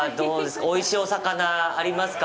おいしいお魚ありますか？